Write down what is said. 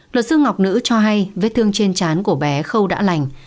luật sư ngọc nữ cho hay vết thương trên chán của bé khâu đã lành